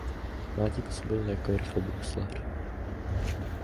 V mládí působil jako rychlobruslař.